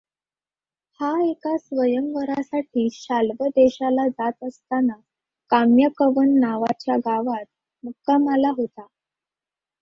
हा एका स्वयंवरासाठी शाल्व देशाला जात असताना काम्यकवन नावाच्या गावात मुक्कामाला होता.